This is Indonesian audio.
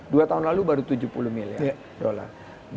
dua tahun lalu baru tujuh puluh miliar dolar